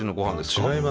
違いますよ。